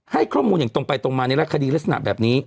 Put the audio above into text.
ให้ข้อมูลอย่างตรงไปตรงมาในรักคดีลักษณะแบบนี้